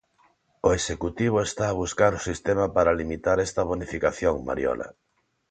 O executivo está a buscar o sistema para limitar esta bonificación, Mariola...